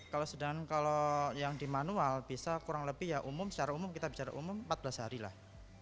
kalau sedangkan kalau yang di manual bisa kurang lebih ya umum secara umum kita bicara umum empat belas hari lah